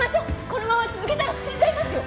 このまま続けたら死んじゃいますよ！